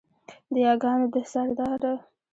د یاګانو ده سرداره